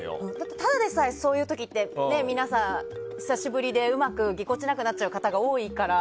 ただでさえ、そういう時って久しぶりでぎこちなくなっちゃう方が多いから。